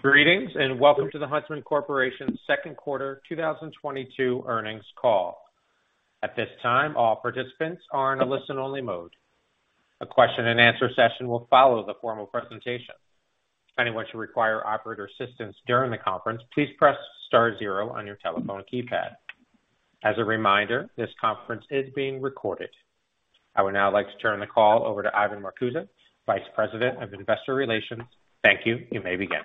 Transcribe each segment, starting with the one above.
Greetings, and welcome to the Huntsman Corporation second quarter 2022 earnings call. At this time, all participants are in a listen-only mode. A question and answer session will follow the formal presentation. If anyone should require operator assistance during the conference, please press star zero on your telephone keypad. As a reminder, this conference is being recorded. I would now like to turn the call over to Ivan Marcuse, Vice President of Investor Relations. Thank you. You may begin.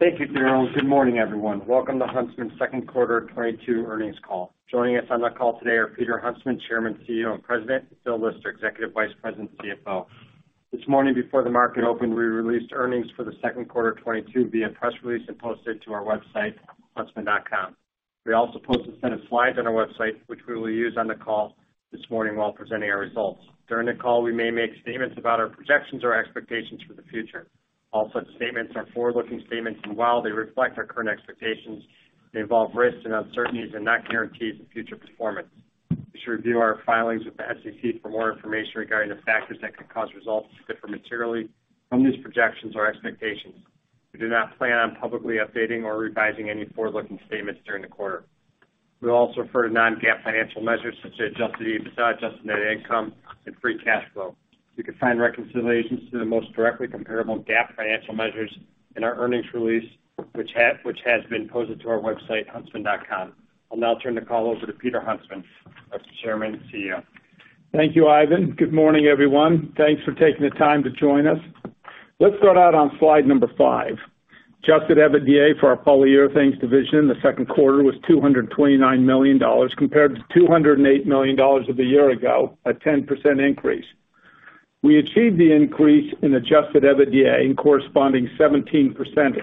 Thank you, Darrell. Good morning, everyone. Welcome to Huntsman second quarter 2022 earnings call. Joining us on the call today are Peter Huntsman, Chairman, CEO, and President, and Phil Lister, Executive Vice President and CFO. This morning before the market opened, we released earnings for the second quarter 2022 via press release and posted to our website, huntsman.com. We also post a set of slides on our website, which we will use on the call this morning while presenting our results. During the call, we may make statements about our projections or expectations for the future. All such statements are forward-looking statements, and while they reflect our current expectations, they involve risks and uncertainties and not guarantees of future performance. You should review our filings with the SEC for more information regarding the factors that could cause results to differ materially from these projections or expectations. We do not plan on publicly updating or revising any forward-looking statements during the quarter. We also refer to non-GAAP financial measures such as adjusted EBITDA, adjusted net income, and free cash flow. You can find reconciliations to the most directly comparable GAAP financial measures in our earnings release, which has been posted to our website, huntsman.com. I'll now turn the call over to Peter Huntsman, our Chairman and CEO. Thank you, Ivan. Good morning, everyone. Thanks for taking the time to join us. Let's start out on slide number five. Adjusted EBITDA for our Polyurethanes division in the second quarter was $229 million compared to $208 million of a year ago, a 10% increase. We achieved the increase in adjusted EBITDA with a corresponding 17%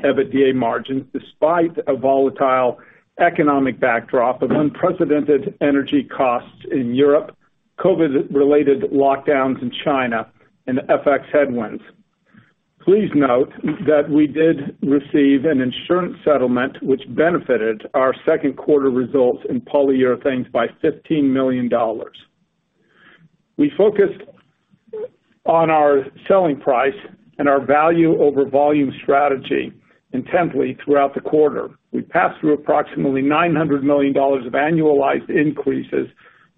EBITDA margin despite a volatile economic backdrop of unprecedented energy costs in Europe, COVID-related lockdowns in China, and FX headwinds. Please note that we did receive an insurance settlement which benefited our second quarter results in Polyurethanes by $15 million. We focused on our selling price and our value over volume strategy intently throughout the quarter. We passed through approximately $900 million of annualized increases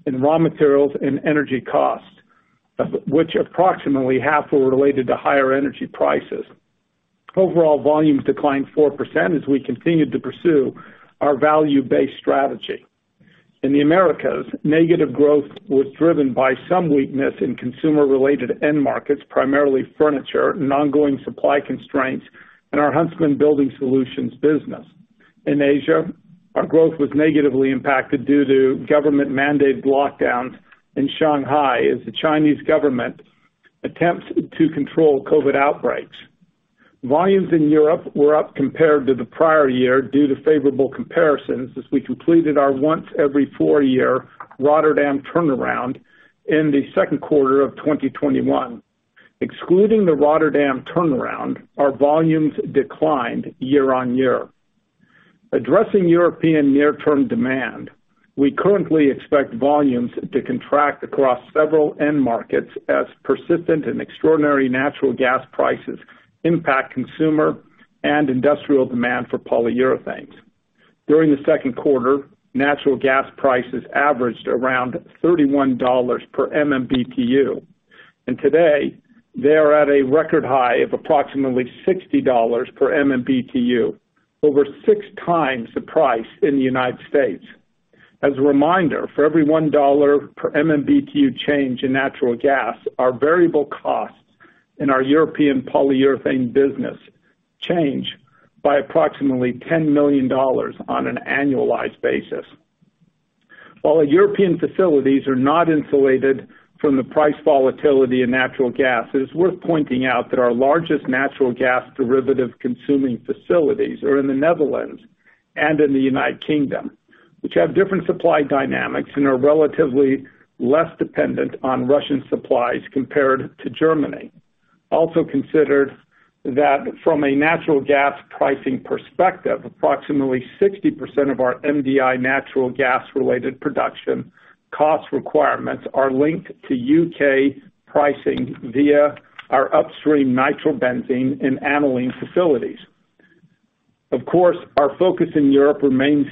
in raw materials and energy costs, of which approximately half were related to higher energy prices. Overall volumes declined 4% as we continued to pursue our value-based strategy. In the Americas, negative growth was driven by some weakness in consumer-related end markets, primarily furniture and ongoing supply constraints in our Huntsman Building Solutions business. In Asia, our growth was negatively impacted due to government-mandated lockdowns in Shanghai as the Chinese government attempts to control COVID outbreaks. Volumes in Europe were up compared to the prior year due to favorable comparisons as we completed our once every four-year Rotterdam turnaround in the second quarter of 2021. Excluding the Rotterdam turnaround, our volumes declined year-on-year. Addressing European near-term demand, we currently expect volumes to contract across several end markets as persistent and extraordinary natural gas prices impact consumer and industrial demand for Polyurethanes. During the second quarter, natural gas prices averaged around $31 per MMbtu, and today they are at a record high of approximately $60 per MMbtu, over 6x the price in the United States. As a reminder, for every $1 per MMbtu change in natural gas, our variable costs in our European polyurethane business change by approximately $10 million on an annualized basis. While our European facilities are not insulated from the price volatility in natural gas, it is worth pointing out that our largest natural gas derivative consuming facilities are in the Netherlands and in the United Kingdom, which have different supply dynamics and are relatively less dependent on Russian supplies compared to Germany. Also considered that from a natural gas pricing perspective, approximately 60% of our MDI natural gas-related production cost requirements are linked to U.K. pricing via our upstream nitrobenzene and aniline facilities. Of course, our focus in Europe remains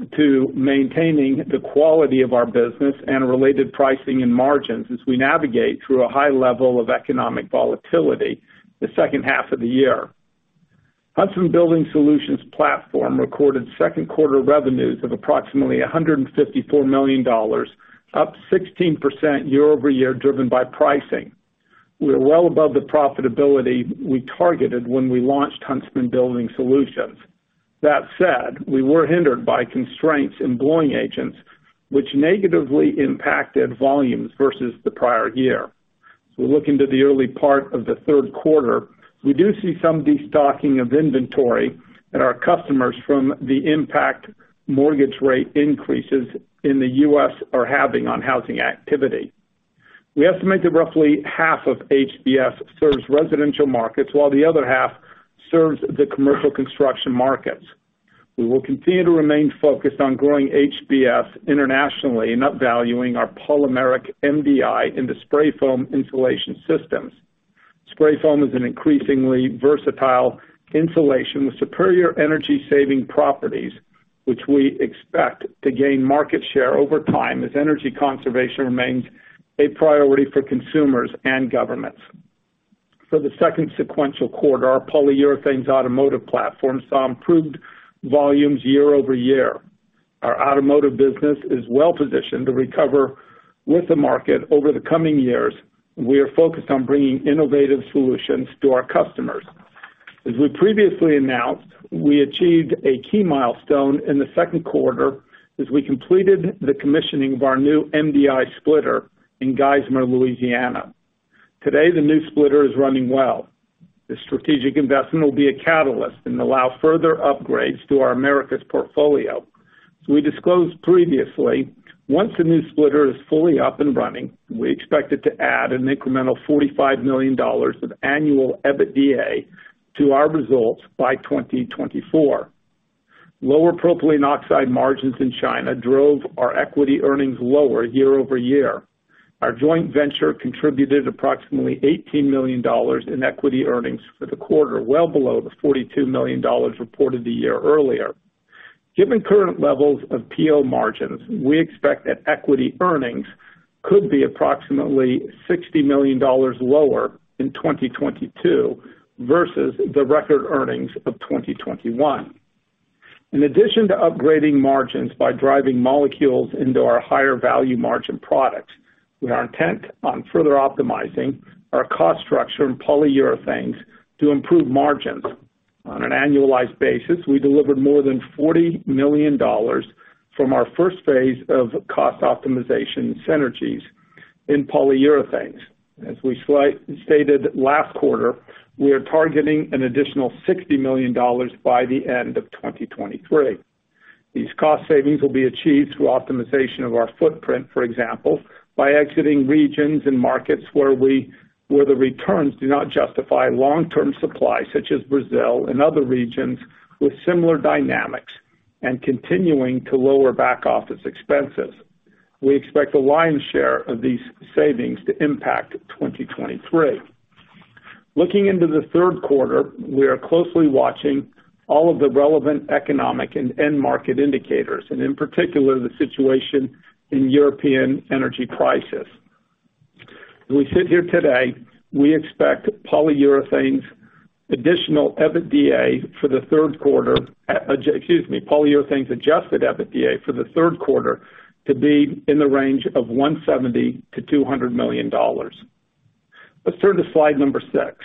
on maintaining the quality of our business and related pricing and margins as we navigate through a high level of economic volatility in the second half of the year. Huntsman Building Solutions platform recorded second quarter revenues of approximately $154 million, up 16% year-over-year, driven by pricing. We are well above the profitability we targeted when we launched Huntsman Building Solutions. That said, we were hindered by constraints in blowing agents, which negatively impacted volumes versus the prior year. Looking to the early part of the third quarter, we do see some destocking of inventory at our customers from the impact of mortgage rate increases in the U.S. are having on housing activity. We estimate that roughly half of Huntsman Building Solutions serves residential markets, while the other half serves the commercial construction markets. We will continue to remain focused on growing Huntsman Building Solutions internationally and upvaluing our polymeric MDI into spray foam insulation systems. Spray foam is an increasingly versatile insulation with superior energy saving properties, which we expect to gain market share over time as energy conservation remains a priority for consumers and governments. For the second sequential quarter, our Polyurethanes automotive platform saw improved volumes year-over-year. Our automotive business is well positioned to recover with the market over the coming years. We are focused on bringing innovative solutions to our customers. As we previously announced, we achieved a key milestone in the second quarter as we completed the commissioning of our new MDI splitter in Geismar, Louisiana. Today, the new splitter is running well. This strategic investment will be a catalyst and allow further upgrades to our Americas portfolio. As we disclosed previously, once the new splitter is fully up and running, we expect it to add an incremental $45 million of annual EBITDA to our results by 2024. Lower Propylene Oxide margins in China drove our equity earnings lower year-over-year. Our joint venture contributed approximately $18 million in equity earnings for the quarter, well below the $42 million reported a year earlier. Given current levels of PO margins, we expect that equity earnings could be approximately $60 million lower in 2022 versus the record earnings of 2021. In addition to upgrading margins by driving molecules into our higher value margin products, we are intent on further optimizing our cost structure in Polyurethanes to improve margins. On an annualized basis, we delivered more than $40 million from our first phase of cost optimization synergies in Polyurethanes. As we stated last quarter, we are targeting an additional $60 million by the end of 2023. These cost savings will be achieved through optimization of our footprint, for example, by exiting regions and markets where the returns do not justify long-term supply, such as Brazil and other regions with similar dynamics and continuing to lower back-office expenses. We expect the lion's share of these savings to impact 2023. Looking into the third quarter, we are closely watching all of the relevant economic and end market indicators, and in particular, the situation in European energy prices. As we sit here today, we expect Polyurethanes adjusted EBITDA for the third quarter to be in the range of $170 million-$200 million. Let's turn to slide number six.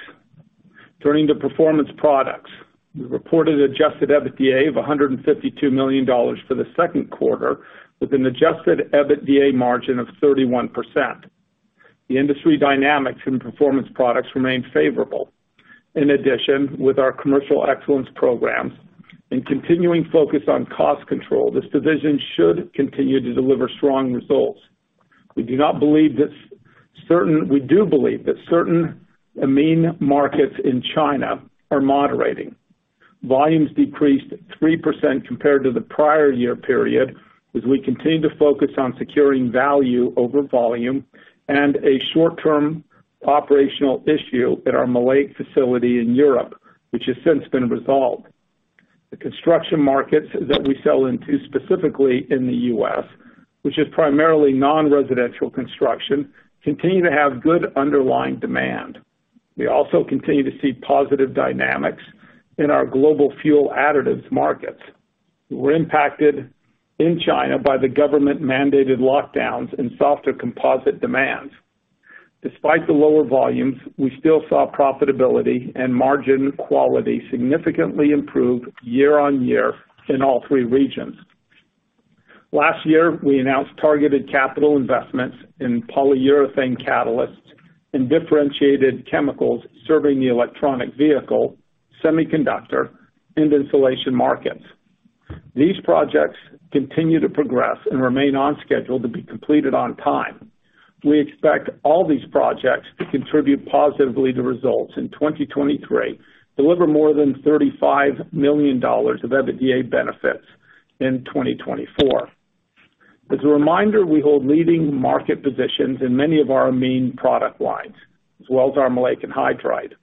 Turning to Performance Products. We reported adjusted EBITDA of $152 million for the second quarter, with an adjusted EBITDA margin of 31%. The industry dynamics in Performance Products remain favorable. In addition, with our commercial excellence programs and continuing focus on cost control, this division should continue to deliver strong results. We do believe that certain amine markets in China are moderating. Volumes decreased 3% compared to the prior year period as we continue to focus on securing value over volume and a short-term operational issue at our Maleic Anhydride facility in Europe, which has since been resolved. The construction markets that we sell into, specifically in the U.S., which is primarily non-residential construction, continue to have good underlying demand. We also continue to see positive dynamics in our global fuel additives markets. We were impacted in China by the government-mandated lockdowns and softer composite demands. Despite the lower volumes, we still saw profitability and margin quality significantly improve year-on-year in all three regions. Last year, we announced targeted capital investments in polyurethane catalysts and differentiated chemicals serving the electric vehicle, semiconductor, and insulation markets. These projects continue to progress and remain on schedule to be completed on time. We expect all these projects to contribute positively to results in 2023, deliver more than $35 million of EBITDA benefits in 2024. As a reminder, we hold leading market positions in many of our amine product lines, as well as our Maleic Anhydride.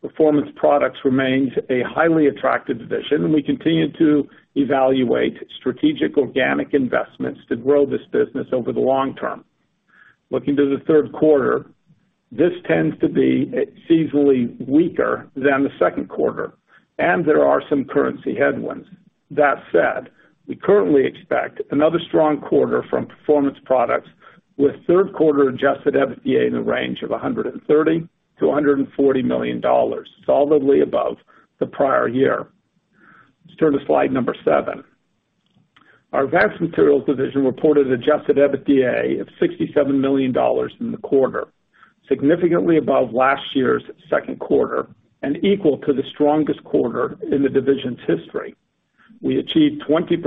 Performance Products remains a highly attractive division, and we continue to evaluate strategic organic investments to grow this business over the long term. Looking to the third quarter, this tends to be seasonally weaker than the second quarter, and there are some currency headwinds. That said, we currently expect another strong quarter from Performance Products with third quarter adjusted EBITDA in the range of $130 million-$140 million, solidly above the prior year. Let's turn to slide seven. Our Advanced Materials division reported adjusted EBITDA of $67 million in the quarter, significantly above last year's second quarter and equal to the strongest quarter in the division's history. We achieved 20%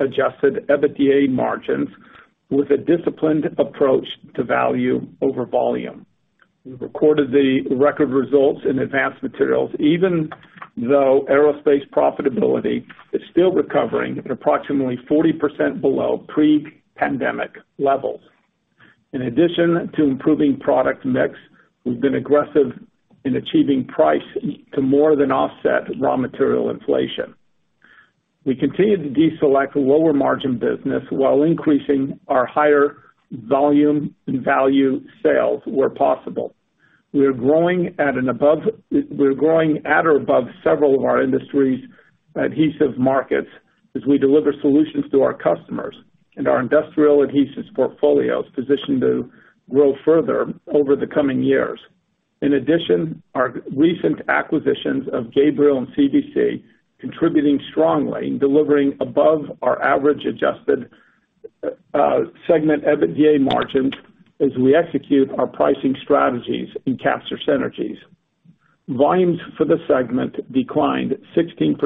adjusted EBITDA margins with a disciplined approach to value over volume. We recorded the record results in Advanced Materials, even though aerospace profitability is still recovering at approximately 40% below pre-pandemic levels. In addition to improving product mix, we've been aggressive in achieving price to more than offset raw material inflation. We continue to deselect lower margin business while increasing our higher volume and value sales where possible. We are growing at or above several of our industry's adhesive markets as we deliver solutions to our customers, and our industrial adhesives portfolio is positioned to grow further over the coming years. In addition, our recent acquisitions of Gabriel Performance Products and CVC Thermoset Specialties contributing strongly in delivering above our average adjusted segment EBITDA margins as we execute our pricing strategies and capture synergies. Volumes for the segment declined 16%,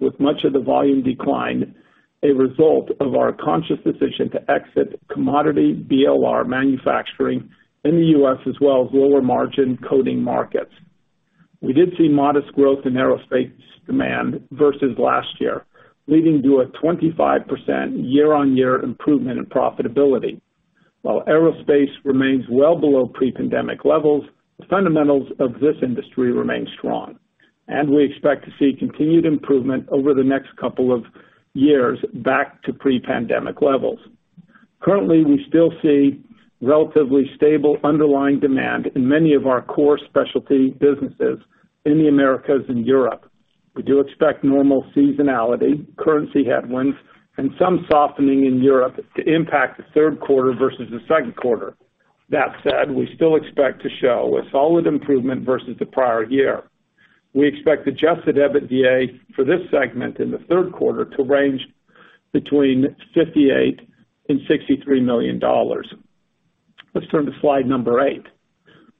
with much of the volume decline a result of our conscious decision to exit commodity BLR manufacturing in the U.S. as well as lower margin coating markets. We did see modest growth in aerospace demand versus last year, leading to a 25% year-on-year improvement in profitability. While aerospace remains well below pre-pandemic levels, the fundamentals of this industry remain strong, and we expect to see continued improvement over the next couple of years back to pre-pandemic levels. Currently, we still see relatively stable underlying demand in many of our core specialty businesses in the Americas and Europe. We do expect normal seasonality, currency headwinds, and some softening in Europe to impact the third quarter versus the second quarter. That said, we still expect to show a solid improvement versus the prior year. We expect adjusted EBITDA for this segment in the third quarter to range between $58 million and $63 million. Let's turn to slide eight.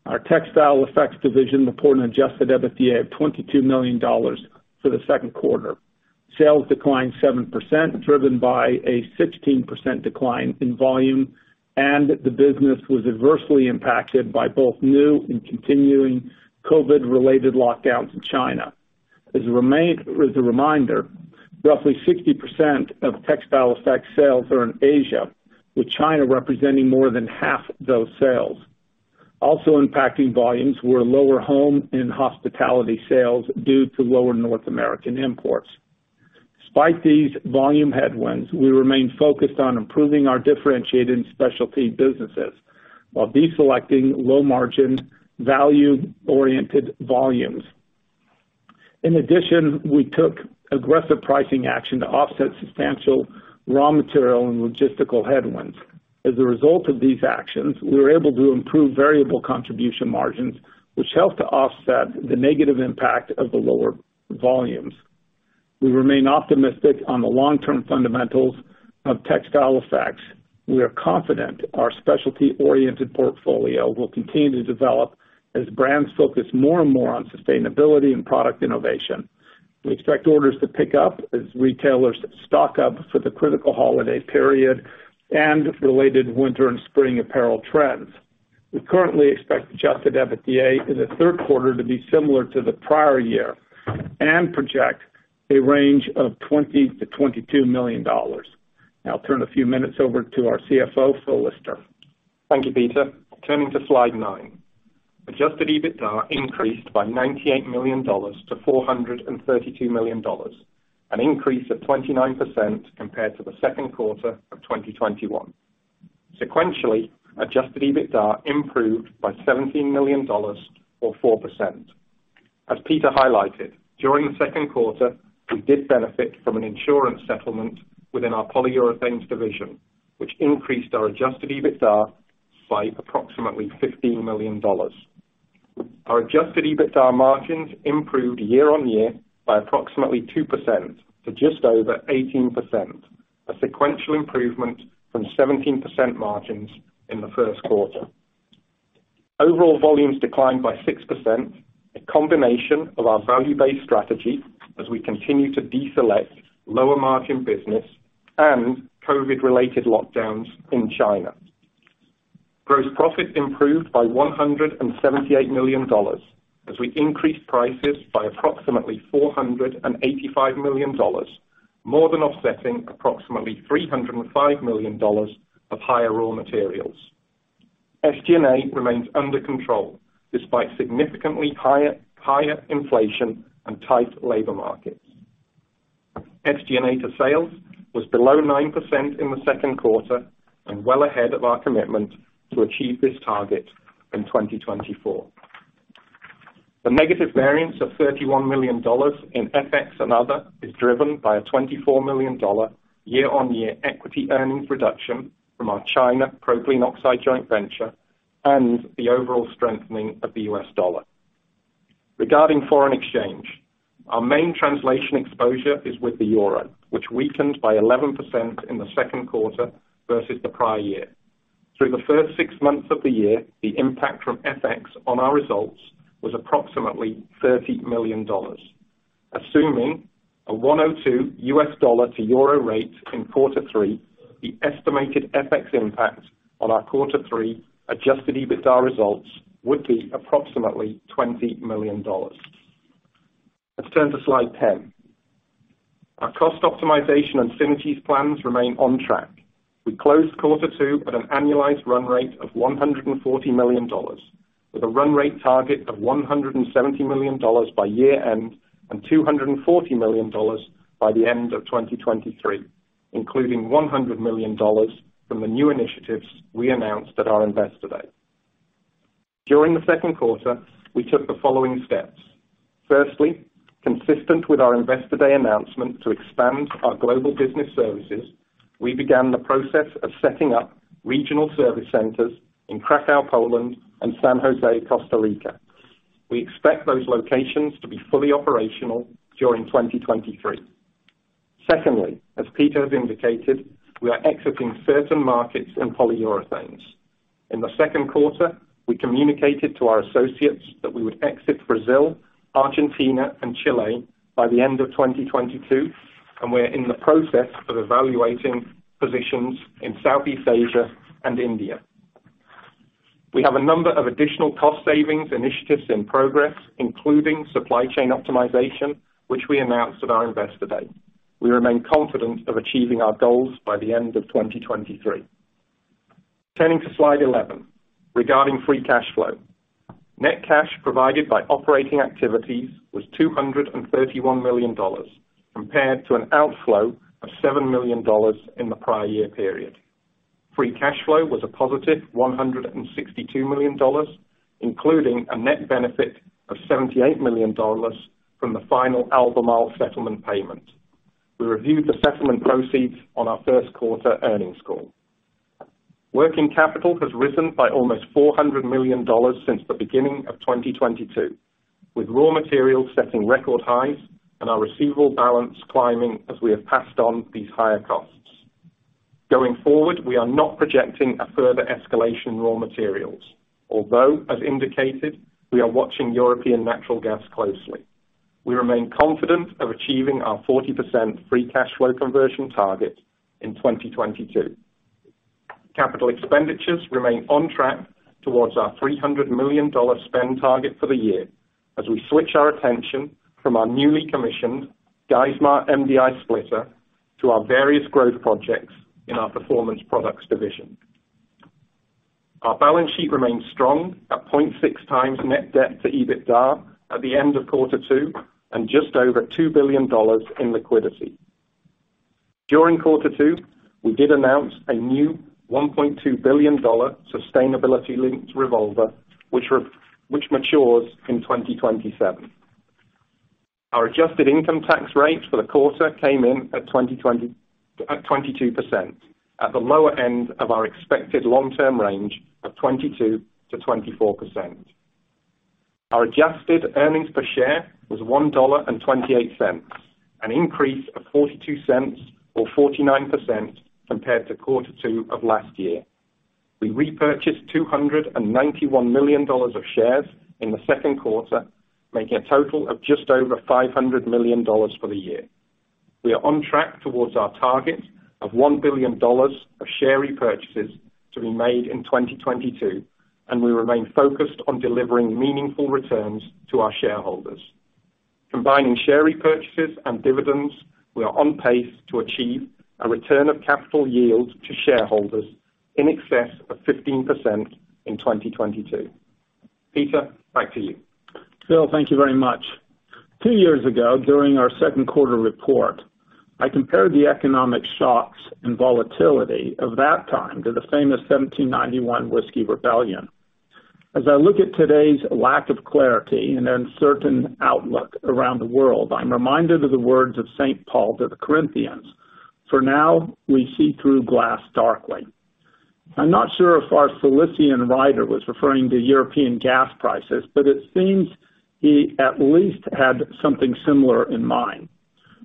Our Textile Effects division reported an adjusted EBITDA of $22 million for the second quarter. Sales declined 7%, driven by a 16% decline in volume, and the business was adversely impacted by both new and continuing COVID-related lockdowns in China. As a reminder, roughly 60% of Textile Effects sales are in Asia, with China representing more than half those sales. Also impacting volumes were lower home and hospitality sales due to lower North American imports. Despite these volume headwinds, we remain focused on improving our differentiated and specialty businesses while deselecting low-margin, value-oriented volumes. In addition, we took aggressive pricing action to offset substantial raw material and logistical headwinds. As a result of these actions, we were able to improve variable contribution margins, which helped to offset the negative impact of the lower volumes. We remain optimistic on the long-term fundamentals of Textile Effects. We are confident our specialty-oriented portfolio will continue to develop as brands focus more and more on sustainability and product innovation. We expect orders to pick up as retailers stock up for the critical holiday period and related winter and spring apparel trends. We currently expect adjusted EBITDA in the third quarter to be similar to the prior year and project a range of $20 million-$22 million. Now I'll turn a few minutes over to our CFO, Phil Lister. Thank you, Peter. Turning to slide nine. Adjusted EBITDA increased by $98 million to $432 million, an increase of 29% compared to the second quarter of 2021. Sequentially, adjusted EBITDA improved by $17 million or 4%. As Peter highlighted, during the second quarter, we did benefit from an insurance settlement within our Polyurethanes division, which increased our adjusted EBITDA by approximately $15 million. Our adjusted EBITDA margins improved year-on-year by approximately 2% to just over 18%, a sequential improvement from 17% margins in the first quarter. Overall volumes declined by 6%, a combination of our value-based strategy as we continue to deselect lower margin business and COVID-related lockdowns in China. Gross profit improved by $178 million as we increased prices by approximately $485 million, more than offsetting approximately $305 million of higher raw materials. SG&A remains under control despite significantly higher inflation and tight labor markets. SG&A to sales was below 9% in the second quarter and well ahead of our commitment to achieve this target in 2024. The negative variance of $31 million in FX and other is driven by a $24 million year-on-year equity earnings reduction from our China Propylene Oxide joint venture and the overall strengthening of the US dollar. Regarding foreign exchange, our main translation exposure is with the euro, which weakened by 11% in the second quarter versus the prior year. Through the first six months of the year, the impact from FX on our results was approximately $30 million. Assuming a 1.02 US dollar to euro rate in quarter three, the estimated FX impact on our quarter three adjusted EBITDA results would be approximately $20 million. Let's turn to slide 10. Our cost optimization and synergies plans remain on track. We closed quarter two at an annualized run rate of $140 million, with a run rate target of $170 million by year-end, and $240 million by the end of 2023, including $100 million from the new initiatives we announced at our Investor Day. During the second quarter, we took the following steps. Firstly, consistent with our Investor Day announcement to expand our global business services, we began the process of setting up regional service centers in Kraków, Poland and San José, Costa Rica. We expect those locations to be fully operational during 2023. Secondly, as Peter has indicated, we are exiting certain markets in Polyurethanes. In the second quarter, we communicated to our associates that we would exit Brazil, Argentina and Chile by the end of 2022, and we're in the process of evaluating positions in Southeast Asia and India. We have a number of additional cost savings initiatives in progress, including supply chain optimization, which we announced at our Investor Day. We remain confident of achieving our goals by the end of 2023. Turning to slide 11, regarding free cash flow. Net cash provided by operating activities was $231 million, compared to an outflow of $7 million in the prior year period. Free cash flow was a positive $162 million, including a net benefit of $78 million from the final Albemarle settlement payment. We reviewed the settlement proceeds on our first quarter earnings call. Working capital has risen by almost $400 million since the beginning of 2022, with raw materials setting record highs and our receivable balance climbing as we have passed on these higher costs. Going forward, we are not projecting a further escalation in raw materials, although, as indicated, we are watching European natural gas closely. We remain confident of achieving our 40% free cash flow conversion target in 2022. Capital expenditures remain on track towards our $300 million spend target for the year as we switch our attention from our newly commissioned Geismar, Louisiana MDI splitter to our various growth projects in our Performance Products division. Our balance sheet remains strong at 0.6x net debt to EBITDA at the end of quarter two and just over $2 billion in liquidity. During quarter two, we did announce a new $1.2 billion sustainability-linked revolver, which matures in 2027. Our adjusted income tax rate for the quarter came in at 22%, at the lower end of our expected long-term range of 22%-24%. Our adjusted earnings per share was $1.28, an increase of $0.42 or 49% compared to quarter two of last year. We repurchased $291 million of shares in the second quarter, making a total of just over $500 million for the year. We are on track towards our target of $1 billion of share repurchases to be made in 2022, and we remain focused on delivering meaningful returns to our shareholders. Combining share repurchases and dividends, we are on pace to achieve a return of capital yield to shareholders in excess of 15% in 2022. Peter, back to you. Phil, thank you very much. Two years ago, during our second quarter report, I compared the economic shocks and volatility of that time to the famous 1791 Whiskey Rebellion. As I look at today's lack of clarity and uncertain outlook around the world, I'm reminded of the words of St. Paul to the Corinthians, "For now we see through a glass darkly." I'm not sure if our Cilician writer was referring to European gas prices, but it seems he at least had something similar in mind.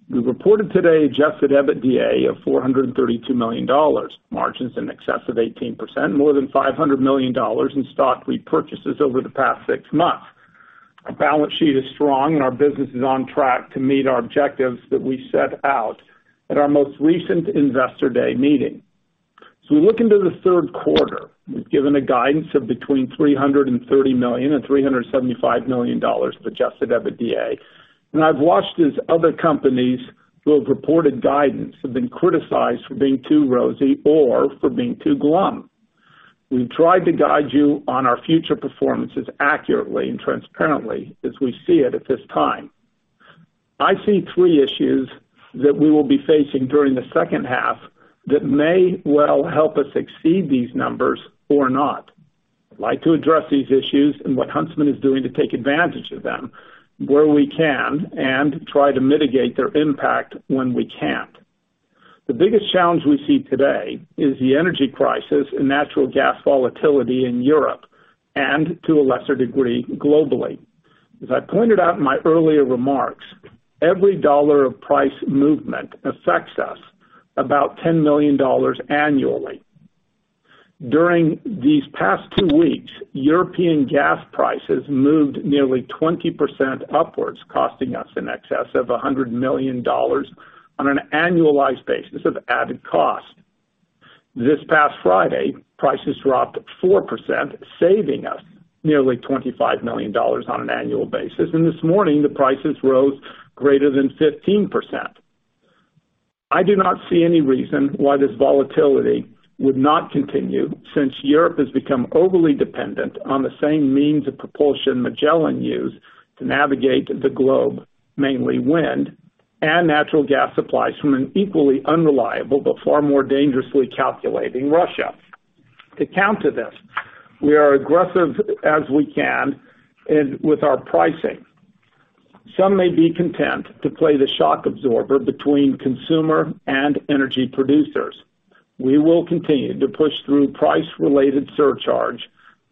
We reported today adjusted EBITDA of $432 million, margins in excess of 18%, more than $500 million in stock repurchases over the past six months. Our balance sheet is strong and our business is on track to meet our objectives that we set out at our most recent Investor Day meeting. We look into the third quarter. We've given a guidance of between $330 million and $375 million adjusted EBITDA, and I've watched as other companies who have reported guidance have been criticized for being too rosy or for being too glum. We've tried to guide you on our future performances accurately and transparently as we see it at this time. I see three issues that we will be facing during the second half that may well help us exceed these numbers or not. I'd like to address these issues and what Huntsman is doing to take advantage of them where we can and try to mitigate their impact when we can't. The biggest challenge we see today is the energy crisis and natural gas volatility in Europe and to a lesser degree, globally. As I pointed out in my earlier remarks, every dollar of price movement affects us about $10 million annually. During these past two weeks, European gas prices moved nearly 20% upwards, costing us in excess of $100 million on an annualized basis of added cost. This past Friday, prices dropped 4%, saving us nearly $25 million on an annual basis. This morning the prices rose greater than 15%. I do not see any reason why this volatility would not continue since Europe has become overly dependent on the same means of propulsion Ferdinand Magellan used to navigate the globe, mainly wind and natural gas supplies from an equally unreliable but far more dangerously calculating Russia. To counter this, we are aggressive as we can and with our pricing. Some may be content to play the shock absorber between consumer and energy producers. We will continue to push through price-related surcharge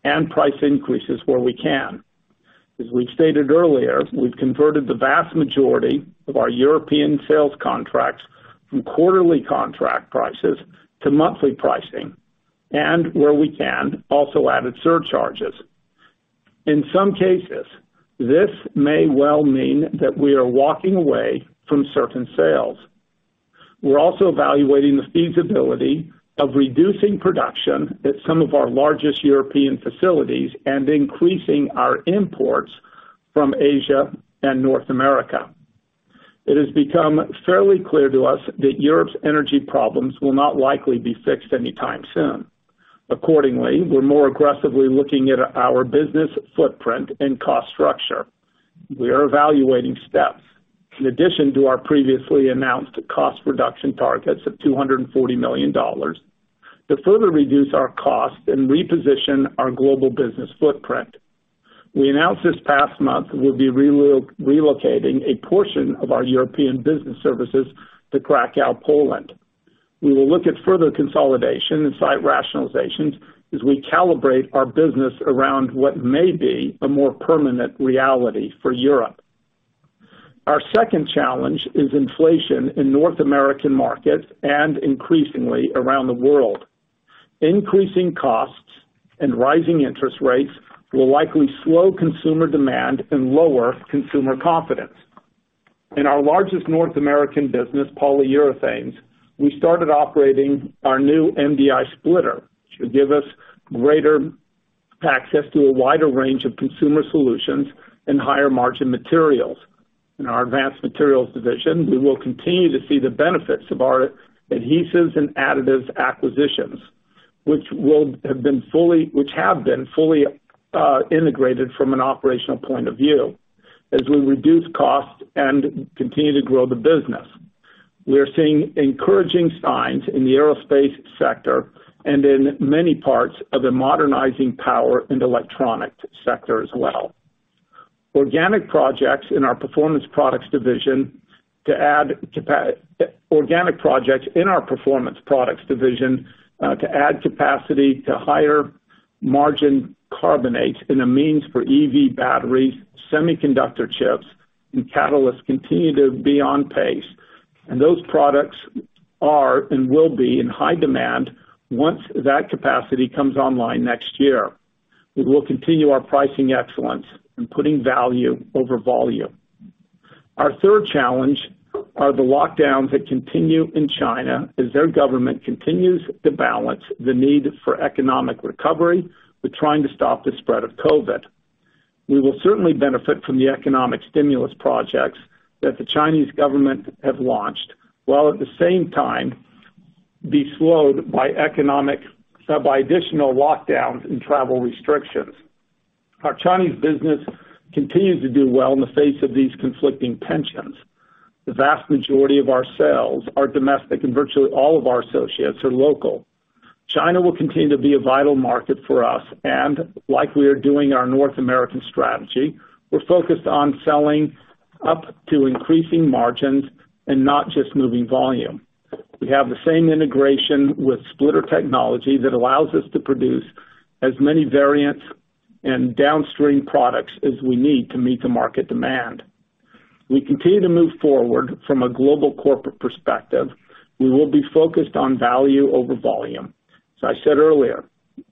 and price increases where we can. As we stated earlier, we've converted the vast majority of our European sales contracts from quarterly contract prices to monthly pricing, and where we can, also added surcharges. In some cases, this may well mean that we are walking away from certain sales. We're also evaluating the feasibility of reducing production at some of our largest European facilities and increasing our imports from Asia and North America. It has become fairly clear to us that Europe's energy problems will not likely be fixed anytime soon. Accordingly, we're more aggressively looking at our business footprint and cost structure. We are evaluating steps in addition to our previously announced cost reduction targets of $240 million to further reduce our costs and reposition our global business footprint. We announced this past month we'll be relocating a portion of our European business services to Kraków, Poland. We will look at further consolidation and site rationalizations as we calibrate our business around what may be a more permanent reality for Europe. Our second challenge is inflation in North American markets and increasingly around the world. Increasing costs and rising interest rates will likely slow consumer demand and lower consumer confidence. In our largest North American business, Polyurethanes, we started operating our new MDI splitter to give us greater access to a wider range of consumer solutions and higher-margin materials. In our Advanced Materials division, we will continue to see the benefits of our adhesives and additives acquisitions, which have been fully integrated from an operational point of view as we reduce costs and continue to grow the business. We are seeing encouraging signs in the aerospace sector and in many parts of the modernizing power and electronics sector as well. Organic projects in our Performance Products division to add capacity to higher margin carbonates and amines for EV batteries, semiconductor chips, and catalysts continue to be on pace, and those products are and will be in high demand once that capacity comes online next year. We will continue our pricing excellence in putting value over volume. Our third challenge are the lockdowns that continue in China as their government continues to balance the need for economic recovery with trying to stop the spread of COVID. We will certainly benefit from the economic stimulus projects that the Chinese government have launched, while at the same time be slowed by additional lockdowns and travel restrictions. Our Chinese business continues to do well in the face of these conflicting tensions. The vast majority of our sales are domestic, and virtually all of our associates are local. China will continue to be a vital market for us, and like we are doing our North American strategy, we're focused on selling up to increasing margins and not just moving volume. We have the same integration with splitter technology that allows us to produce as many variants and downstream products as we need to meet the market demand. We continue to move forward from a global corporate perspective. We will be focused on value over volume. As I said earlier,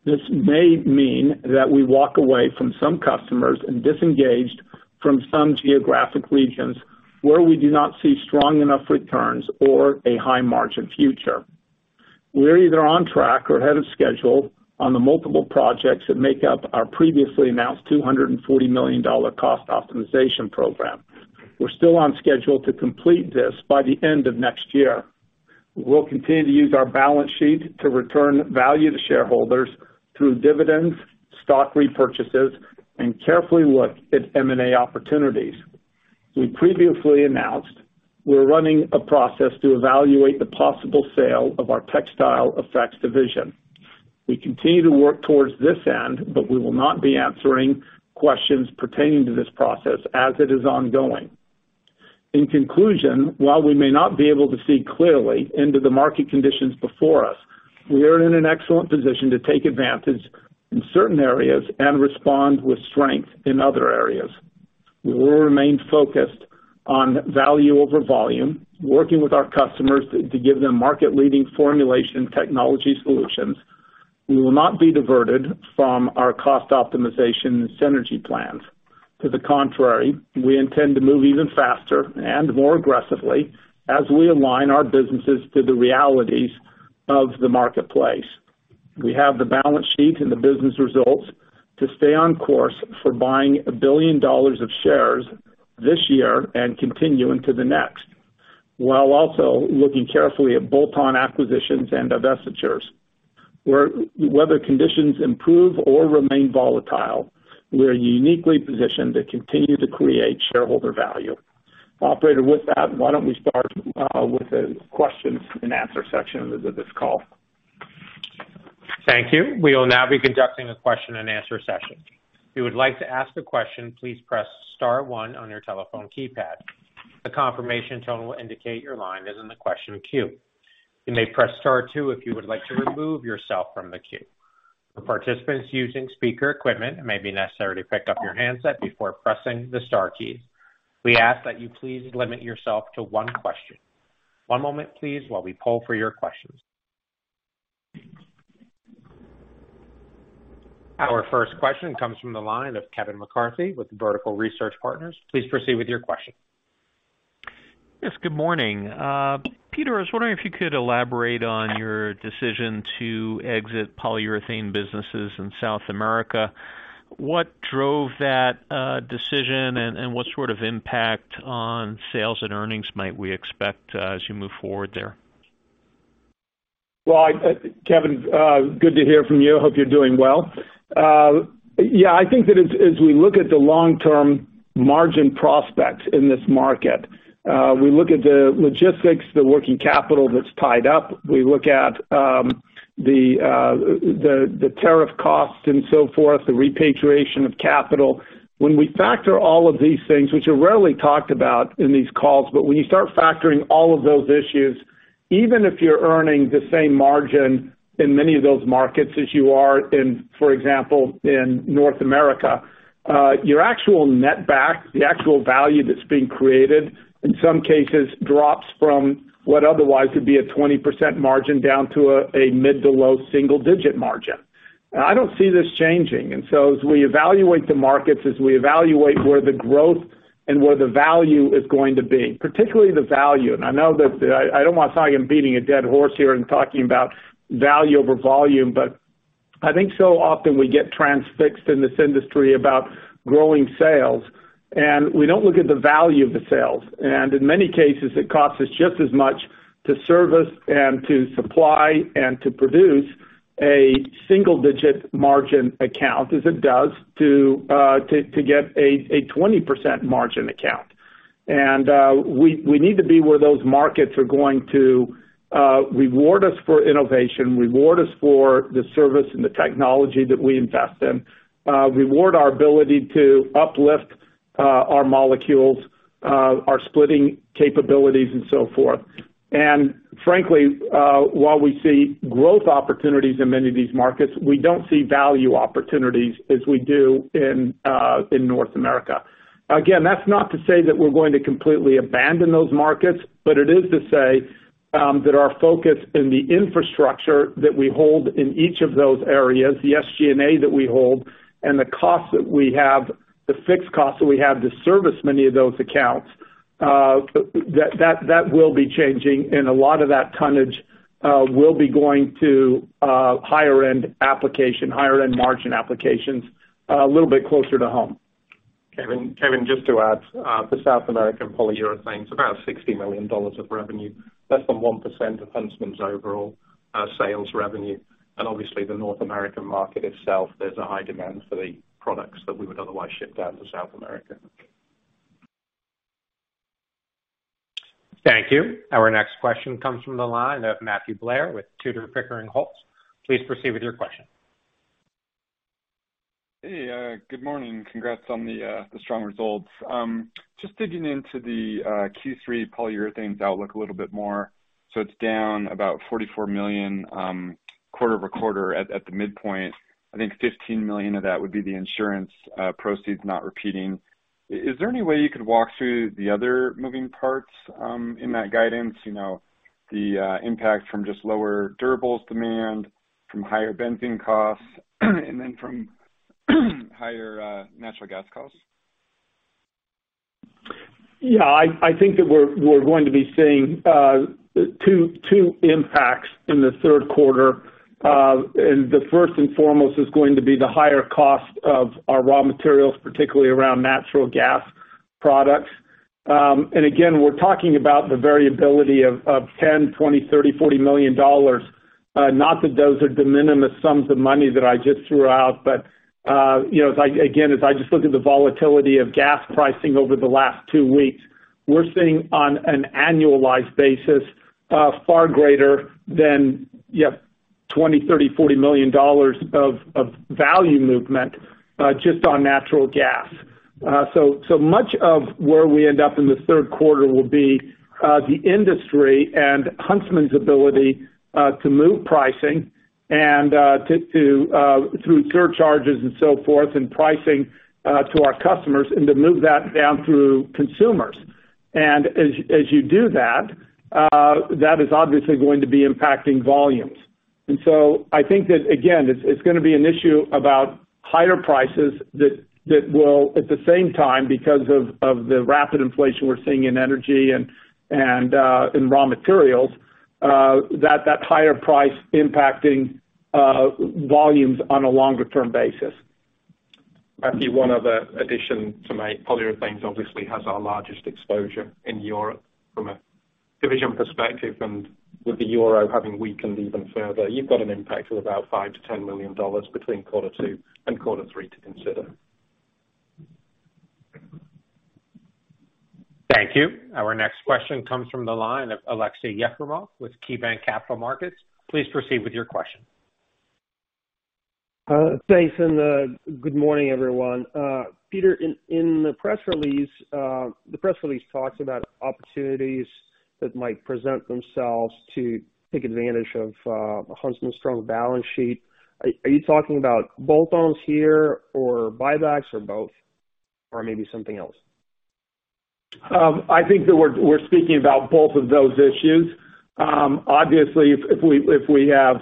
this may mean that we walk away from some customers and disengage from some geographic regions where we do not see strong enough returns or a high-margin future. We're either on track or ahead of schedule on the multiple projects that make up our previously announced $240 million cost optimization program. We're still on schedule to complete this by the end of next year. We will continue to use our balance sheet to return value to shareholders through dividends, stock repurchases, and carefully look at M&A opportunities. We previously announced we're running a process to evaluate the possible sale of our Textile Effects division. We continue to work towards this end, but we will not be answering questions pertaining to this process as it is ongoing. In conclusion, while we may not be able to see clearly into the market conditions before us, we are in an excellent position to take advantage in certain areas and respond with strength in other areas. We will remain focused on value over volume, working with our customers to give them market-leading formulation technology solutions. We will not be diverted from our cost optimization synergy plans. To the contrary, we intend to move even faster and more aggressively as we align our businesses to the realities of the marketplace. We have the balance sheet and the business results to stay on course for buying $1 billion of shares this year and continue into the next, while also looking carefully at bolt-on acquisitions and divestitures. Whether conditions improve or remain volatile, we are uniquely positioned to continue to create shareholder value. Operator, with that, why don't we start with the questions and answer section of this call. Thank you. We will now be conducting a question-and-answer session. If you would like to ask a question, please press star one on your telephone keypad. A confirmation tone will indicate your line is in the question queue. You may press star two if you would like to remove yourself from the queue. For participants using speaker equipment, it may be necessary to pick up your handset before pressing the star keys. We ask that you please limit yourself to one question. One moment, please, while we poll for your questions. Our first question comes from the line of Kevin McCarthy with Vertical Research Partners. Please proceed with your question. Yes, good morning. Peter, I was wondering if you could elaborate on your decision to exit Polyurethanes businesses in South America. What drove that decision, and what sort of impact on sales and earnings might we expect as you move forward there? Well, Kevin, good to hear from you. Hope you're doing well. Yeah, I think that as we look at the long-term margin prospects in this market, we look at the logistics, the working capital that's tied up. We look at the tariff costs and so forth, the repatriation of capital. When we factor all of these things, which are rarely talked about in these calls, but when you start factoring all of those issues, even if you're earning the same margin in many of those markets as you are in, for example, in North America, your actual net back, the actual value that's being created, in some cases, drops from what otherwise would be a 20% margin down to a mid to low single digit margin. I don't see this changing. As we evaluate the markets, as we evaluate where the growth and where the value is going to be, particularly the value. I know that I don't want to sound like I'm beating a dead horse here and talking about value over volume, but I think so often we get transfixed in this industry about growing sales, and we don't look at the value of the sales. In many cases, it costs us just as much to service and to supply and to produce a single-digit margin account as it does to get a 20% margin account. We need to be where those markets are going to reward us for innovation, reward us for the service and the technology that we invest in, reward our ability to uplift our molecules, our splitting capabilities and so forth. Frankly, while we see growth opportunities in many of these markets, we don't see value opportunities as we do in North America. Again, that's not to say that we're going to completely abandon those markets, but it is to say that our focus in the infrastructure that we hold in each of those areas, the SG&A that we hold and the cost that we have, the fixed costs that we have to service many of those accounts, that will be changing. A lot of that tonnage will be going to higher end application, higher end margin applications, a little bit closer to home. Kevin, just to add, the South American Polyurethanes, about $60 million of revenue, less than 1% of Huntsman's overall sales revenue. Obviously the North American market itself, there's a high demand for the products that we would otherwise ship down to South America. Thank you. Our next question comes from the line of Matthew Blair with Tudor, Pickering, Holt. Please proceed with your question. Hey, good morning. Congrats on the strong results. Just digging into the Q3 Polyurethanes outlook a little bit more. It's down about $44 million quarter-over-quarter at the midpoint. I think $15 million of that would be the insurance proceeds not repeating. Is there any way you could walk through the other moving parts in that guidance? You know, the impact from just lower durables demand, from higher benzene costs, and then from higher natural gas costs. I think that we're going to be seeing two impacts in the third quarter. The first and foremost is going to be the higher cost of our raw materials, particularly around natural gas products. Again, we're talking about the variability of $10 million, $20 million, $30 million, $40 million. Not that those are de minimis sums of money that I just threw out, but you know, again, as I just look at the volatility of gas pricing over the last two weeks, we're sitting on an annualized basis far greater than $20 million, $30 million, $40 million of value movement just on natural gas. So much of where we end up in the third quarter will be the industry and Huntsman's ability to move pricing through surcharges and so forth and pricing to our customers and to move that down through consumers. As you do that is obviously going to be impacting volumes. I think that, again, it's gonna be an issue about higher prices that will at the same time because of the rapid inflation we're seeing in energy and in raw materials, that higher price impacting volumes on a longer-term basis. Actually, one other addition to make. Polyurethanes obviously has our largest exposure in Europe from a division perspective, and with the euro having weakened even further, you've got an impact of about $5 million-$10 million between quarter two and quarter three to consider. Thank you. Our next question comes from the line of Aleksey Yefremov with KeyBanc Capital Markets. Please proceed with your question. Thanks, good morning, everyone. Peter, in the press release talks about opportunities that might present themselves to take advantage of Huntsman's strong balance sheet. Are you talking about bolt-ons here or buybacks or both, or maybe something else? I think that we're speaking about both of those issues. Obviously if we have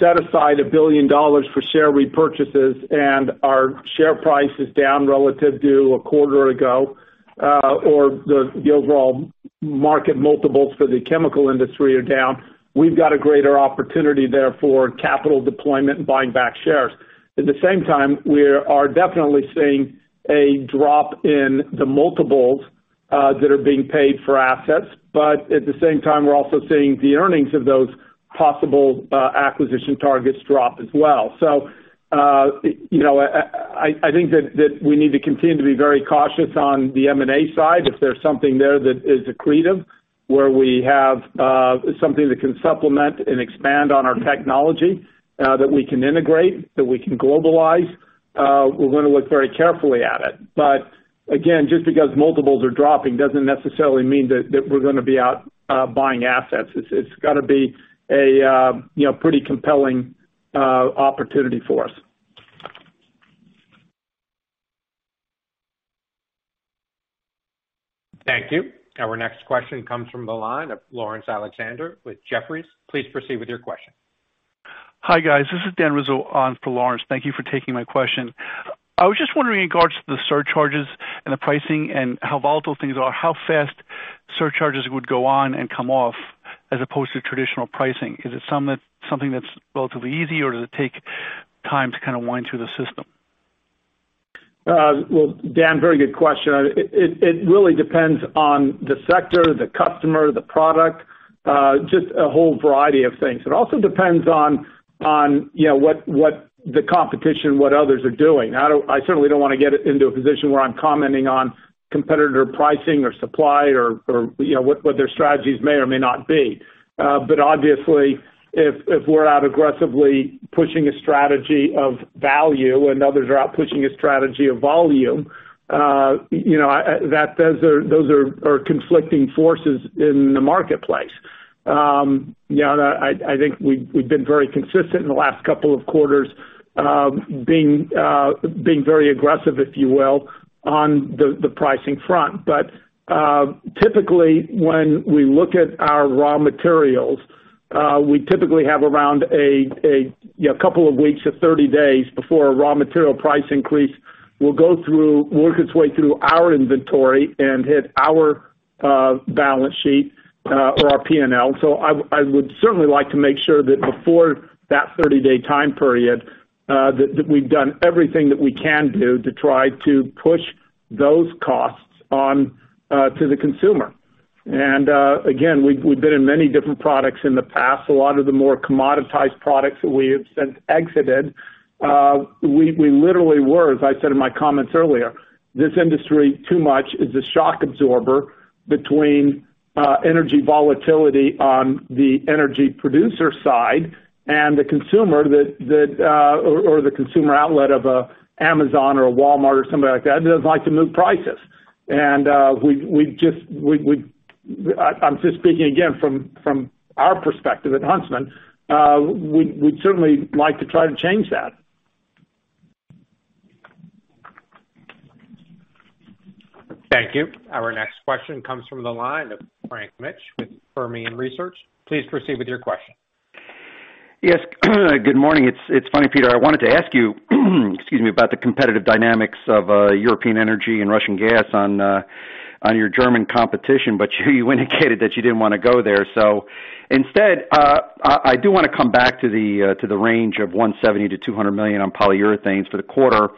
set aside $1 billion for share repurchases and our share price is down relative to a quarter ago, or the overall market multiples for the chemical industry are down, we've got a greater opportunity there for capital deployment and buying back shares. At the same time, we are definitely seeing a drop in the multiples that are being paid for assets. At the same time, we're also seeing the earnings of those possible acquisition targets drop as well. You know, I think that we need to continue to be very cautious on the M&A side. If there's something there that is accretive, where we have something that can supplement and expand on our technology, that we can integrate, that we can globalize, we're gonna look very carefully at it. But again, just because multiples are dropping doesn't necessarily mean that we're gonna be out buying assets. It's gotta be a you know, pretty compelling opportunity for us. Thank you. Our next question comes from the line of Laurence Alexander with Jefferies. Please proceed with your question. Hi, guys. This is Dan Rizzo on for Laurence Alexander. Thank you for taking my question. I was just wondering in regards to the surcharges and the pricing and how volatile things are, how fast surcharges would go on and come off as opposed to traditional pricing. Is it something that's relatively easy, or does it take time to kind of wind through the system? Well, Dan, very good question. It really depends on the sector, the customer, the product, just a whole variety of things. It also depends on, you know, what the competition, what others are doing. I certainly don't wanna get into a position where I'm commenting on competitor pricing or supply or, you know, what their strategies may or may not be. Obviously if we're out aggressively pushing a strategy of value and others are out pushing a strategy of volume, you know, that those are conflicting forces in the marketplace. You know, I think we've been very consistent in the last couple of quarters, being very aggressive, if you will, on the pricing front. Typically, when we look at our raw materials, we typically have around a you know couple of weeks to 30 days before a raw material price increase will go through, work its way through our inventory and hit our balance sheet or our P&L. I would certainly like to make sure that before that 30-day time period, that we've done everything that we can do to try to push those costs on to the consumer. Again, we've been in many different products in the past. A lot of the more commoditized products that we have since exited, we literally were, as I said in my comments earlier, this industry too much is a shock absorber between energy volatility on the energy producer side and the consumer that or the consumer outlet of Amazon or Walmart or somebody like that who doesn't like to move prices. We just, I'm just speaking again from our perspective at Huntsman, we certainly like to try to change that. Thank you. Our next question comes from the line of Frank Mitsch with Fermium Research. Please proceed with your question. Yes. Good morning. It's funny, Peter, I wanted to ask you, excuse me, about the competitive dynamics of European energy and Russian gas on your German competition, but you indicated that you didn't wanna go there. Instead, I do wanna come back to the range of $170 million-$200 million on Polyurethanes for the quarter.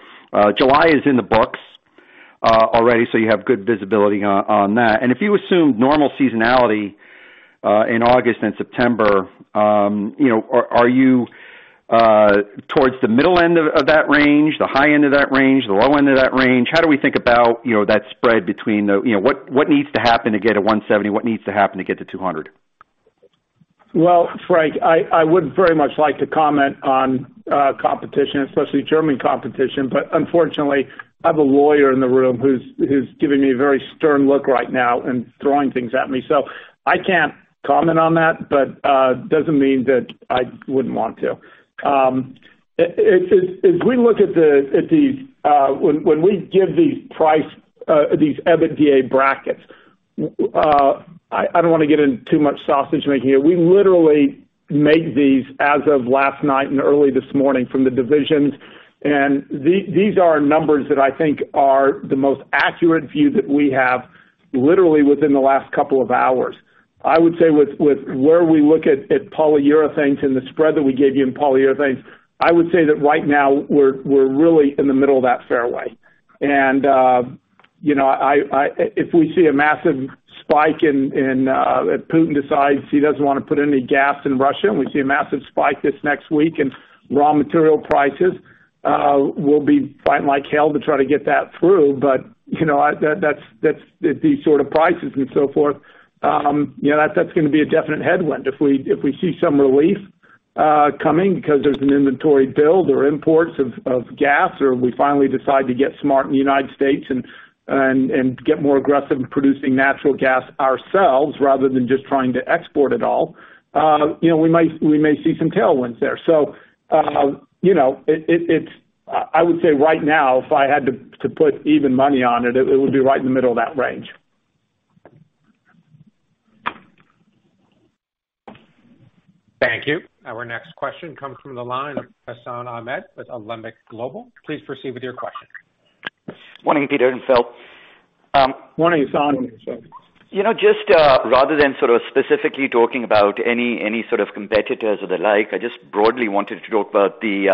July is in the books already, so you have good visibility on that. If you assume normal seasonality in August and September, you know, are you towards the middle end of that range, the high end of that range, the low end of that range? How do we think about, you know, that spread between the. You know, what needs to happen to get to $170 million? What needs to happen to get to $200 million? Well, Frank, I would very much like to comment on competition, especially German competition, but unfortunately, I have a lawyer in the room who's giving me a very stern look right now and throwing things at me. I can't comment on that, doesn't mean that I wouldn't want to. As we look at these when we give these price these EBITDA brackets, I don't wanna get in too much sausage making here. We literally make these as of last night and early this morning from the divisions, and these are numbers that I think are the most accurate view that we have literally within the last couple of hours. I would say with where we look at Polyurethanes and the spread that we gave you in Polyurethanes, I would say that right now we're really in the middle of that fairway. You know, if Vladimir Putin decides he doesn't wanna put any gas in Russia, and we see a massive spike this next week in raw material prices, we'll be fighting like hell to try to get that through. You know, that's the sort of prices and so forth. You know, that's gonna be a definite headwind. If we see some relief coming because there's an inventory build or imports of gas, or we finally decide to get smart in the United States and get more aggressive in producing natural gas ourselves rather than just trying to export it all, you know, we may see some tailwinds there. You know, I would say right now if I had to put even money on it would be right in the middle of that range. Thank you. Our next question comes from the line of Hassan Ahmed with Alembic Global. Please proceed with your question. Morning, Peter and Phil. Morning, Hassan. Morning, Hassan. You know, just rather than sort of specifically talking about any sort of competitors or the like, I just broadly wanted to talk about the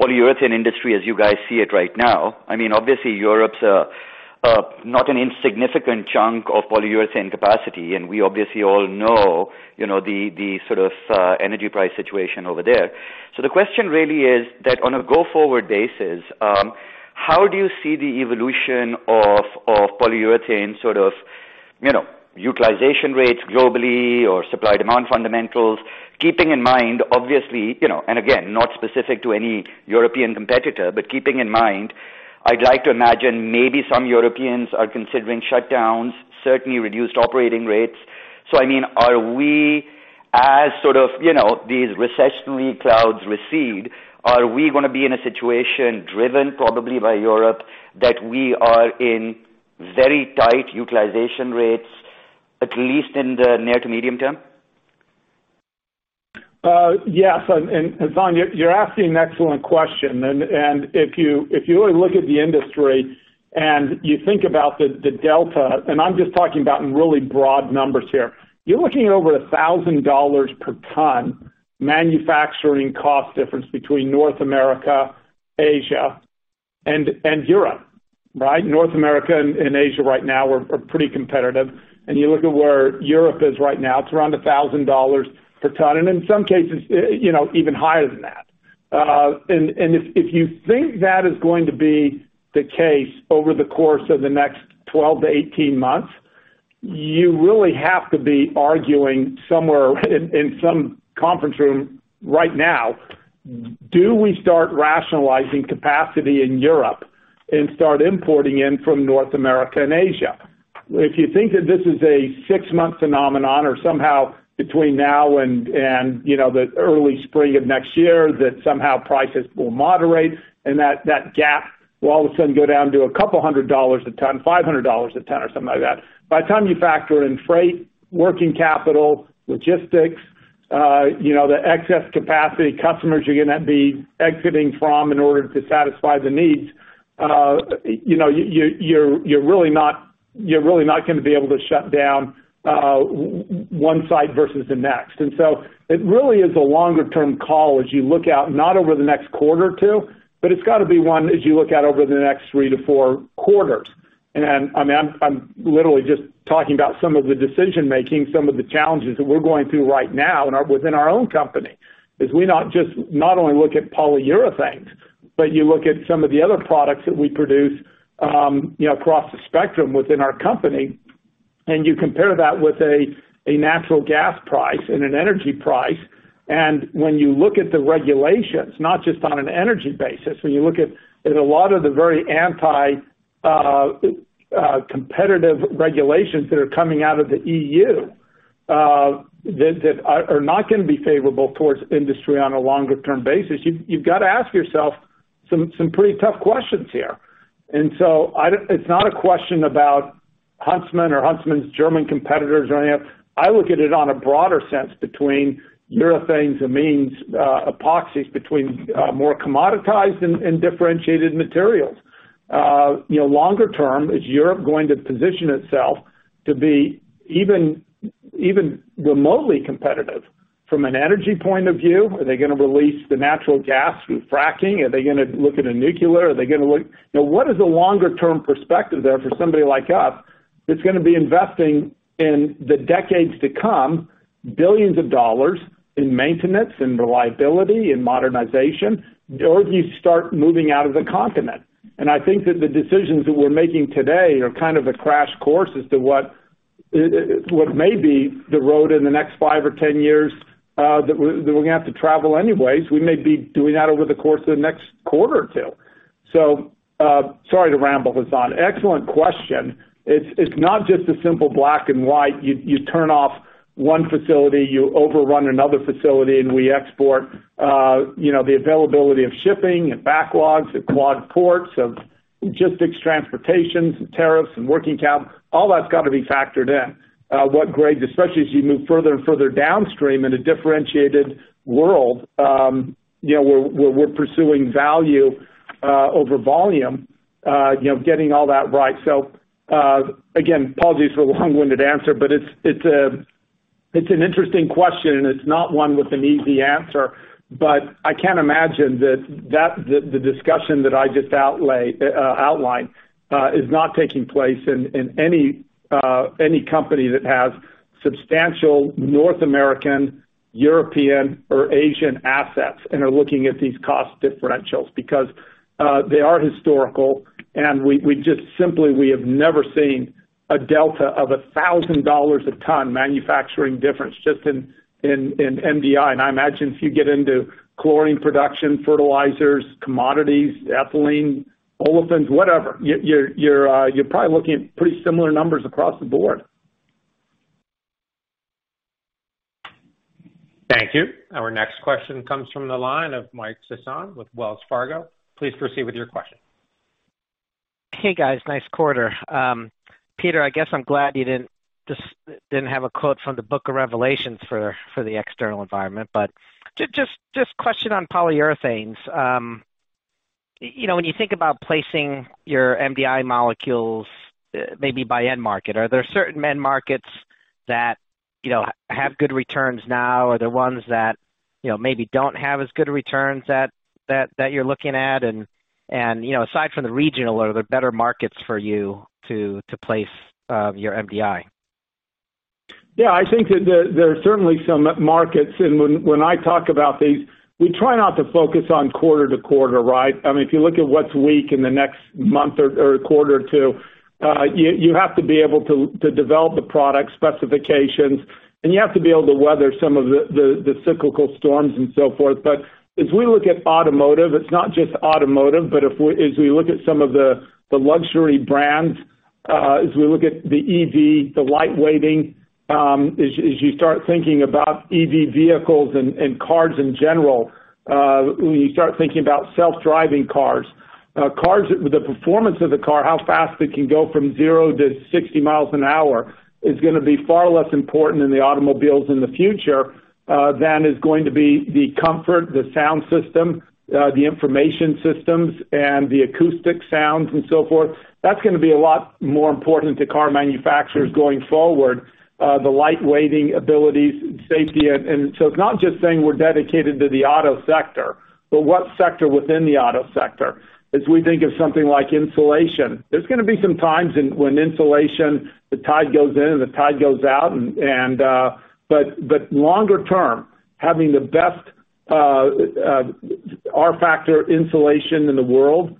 Polyurethane industry as you guys see it right now. I mean, obviously Europe's a not an insignificant chunk of Polyurethane capacity, and we obviously all know, you know, the sort of energy price situation over there. The question really is that on a go-forward basis, how do you see the evolution of Polyurethane sort of, you know, utilization rates globally or supply-demand fundamentals? Keeping in mind obviously, you know, and again, not specific to any European competitor, but keeping in mind, I'd like to imagine maybe some Europeans are considering shutdowns, certainly reduced operating rates. I mean, are we as sort of, you know, these recessionary clouds recede, are we gonna be in a situation driven probably by Europe that we are in very tight utilization rates, at least in the near to medium term? Hassan, you're asking an excellent question. If you really look at the industry and you think about the delta, and I'm just talking about in really broad numbers here, you're looking at over $1,000 per ton manufacturing cost difference between North America, Asia, and Europe, right? North America and Asia right now are pretty competitive. You look at where Europe is right now, it's around $1,000 per ton, and in some cases, you know, even higher than that. If you think that is going to be the case over the course of the next 12-18 months, you really have to be arguing somewhere in some conference room right now, do we start rationalizing capacity in Europe and start importing in from North America and Asia? If you think that this is a 6-month phenomenon or somehow between now and you know, the early spring of next year, that somehow prices will moderate and that gap will all of a sudden go down to $200 a ton, $500 a ton or something like that. By the time you factor in freight, working capital, logistics, you know, the excess capacity customers you're gonna be exiting from in order to satisfy the needs, you know, you're really not gonna be able to shut down one site versus the next. It really is a longer term call as you look out, not over the next quarter or two, but it's gotta be one as you look out over the next 3-4 quarters. I'm literally just talking about some of the decision making, some of the challenges that we're going through right now in our own company. Because we not only look at Polyurethanes, but you look at some of the other products that we produce, across the spectrum within our company, and you compare that with a natural gas price and an energy price. When you look at the regulations, not just on an energy basis, when you look at a lot of the very anti-competitive regulations that are coming out of the EU, that are not gonna be favorable towards industry on a longer term basis, you've got to ask yourself some pretty tough questions here. It's not a question about Huntsman or Huntsman's German competitors or any of that. I look at it on a broader sense between urethanes, amines, epoxies between more commoditized and differentiated materials. You know, longer term, is Europe going to position itself to be even remotely competitive from an energy point of view? Are they gonna release the natural gas through fracking? Are they gonna look at a nuclear? You know, what is the longer term perspective there for somebody like us that's gonna be investing in the decades to come, billions of dollars in maintenance and reliability and modernization? Or do you start moving out of the continent? I think that the decisions that we're making today are kind of a crash course as to what may be the road in the next five or 10 years, that we're gonna have to travel anyways. We may be doing that over the course of the next quarter or two. Sorry to ramble, Hassan. Excellent question. It's not just a simple black and white. You turn off one facility, you overrun another facility, and we export, you know, the availability of shipping and backlogs at Gulf ports, of logistics, transportation and tariffs and working capital, all that's got to be factored in. What grades, especially as you move further and further downstream in a differentiated world, you know, where we're pursuing value over volume, you know, getting all that right. Again, apologies for the long-winded answer, but it's an interesting question, and it's not one with an easy answer. I can't imagine that the discussion that I just outlined is not taking place in any company that has substantial North American, European or Asian assets and are looking at these cost differentials. Because they are historical, and we just simply have never seen a delta of $1,000 a ton manufacturing difference just in MDI. I imagine if you get into chlorine production, fertilizers, commodities, ethylene, olefins, whatever, you're probably looking at pretty similar numbers across the board. Thank you. Our next question comes from the line of Mike Sison with Wells Fargo. Please proceed with your question. Hey, guys. Nice quarter. Peter, I guess I'm glad you just didn't have a quote from the Book of Revelation for the external environment. Just question on Polyurethanes. You know, when you think about placing your MDI molecules maybe by end market, are there certain end markets that, you know, have good returns now? Are there ones that, you know, maybe don't have as good returns that you're looking at? You know, aside from the regional, are there better markets for you to place your MDI? Yeah, I think that there are certainly some markets, and when I talk about these, we try not to focus on quarter to quarter, right? I mean, if you look at what's weak in the next month or quarter or two, you have to be able to develop the product specifications, and you have to be able to weather some of the cyclical storms and so forth. As we look at automotive, it's not just automotive, but as we look at some of the luxury brands, as we look at the EV, the lightweighting, as you start thinking about EV vehicles and cars in general, when you start thinking about self-driving cars. With the performance of the car, how fast it can go from 0 to 60 miles an hour is gonna be far less important in the automobiles in the future than is going to be the comfort, the sound system, the information systems and the acoustic sounds and so forth. That's gonna be a lot more important to car manufacturers going forward, the lightweighting abilities and safety. It's not just saying we're dedicated to the auto sector, but what sector within the auto sector? As we think of something like insulation, there's gonna be some times when insulation, the tide goes in and the tide goes out. Longer term, having the best R-value insulation in the world,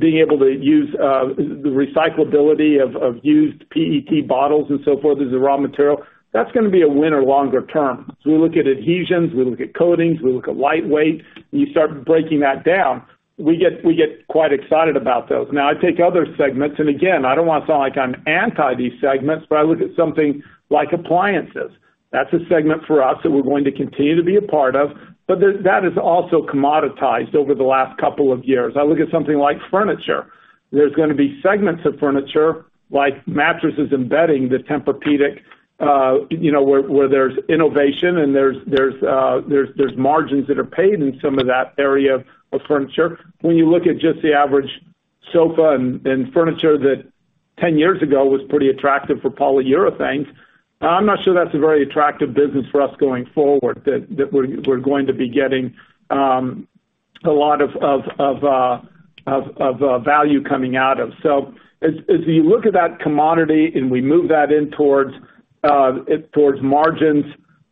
being able to use the recyclability of used PET bottles and so forth as a raw material, that's gonna be a winner longer term. We look at adhesives, we look at coatings, we look at lightweight, and you start breaking that down, we get quite excited about those. Now I take other segments, and again, I don't want to sound like I'm anti these segments, but I look at something like appliances. That's a segment for us that we're going to continue to be a part of, but that is also commoditized over the last couple of years. I look at something like furniture. There's gonna be segments of furniture like mattresses embedding the Tempur-Pedic, where there's innovation and there's margins that are paid in some of that area of furniture. When you look at just the average sofa and furniture that ten years ago was pretty attractive for Polyurethanes, I'm not sure that's a very attractive business for us going forward, that we're going to be getting a lot of value coming out of. As we look At that commodity and we move that in towards margins